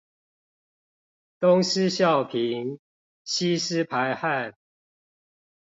東施效顰，吸濕排汗